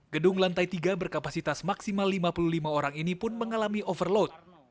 gedung lantai tiga berkapasitas maksimal lima puluh lima orang ini pun mengalami overload